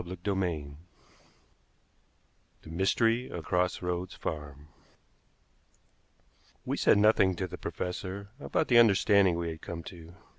CHAPTER VIII THE MYSTERY OF CROSS ROADS FARM We said nothing to the professor about the understanding we had come to.